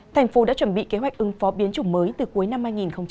thành phố đã chuẩn bị kế hoạch ứng phó biến chủng mới từ cuối năm hai nghìn hai mươi